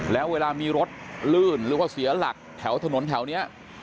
แล้วเวลามีรถลื่นหรือว่าเสียหลักแถวถนนแถวนี้